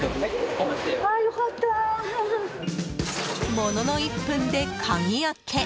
ものの１分で鍵開け。